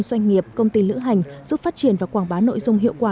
doanh nghiệp công ty lữ hành giúp phát triển và quảng bá nội dung hiệu quả